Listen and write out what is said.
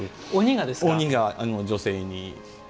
鬼が女性に。